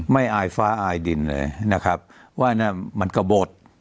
อายฟ้าอายดินเลยนะครับว่ามันกระบด